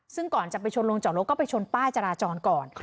ซึ่งก่อนจะไปชนลงจอดรถก็ไปชนป้ายจราจรก่อน